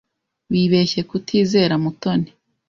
Wibeshye kutizera Mutoni.